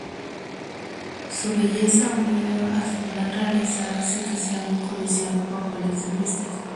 Su belleza unido a su gran rareza hace que sea muy codiciado por coleccionistas.